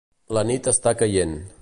La nit està caient.